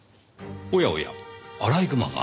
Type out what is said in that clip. おやおやアライグマが？